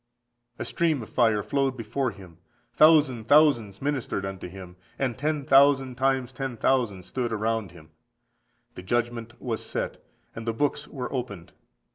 A stream of fire flowed before Him. Thousand thousands ministered unto Him, and ten thousand times ten thousand stood around Him: the judgment was set, and the books were opened.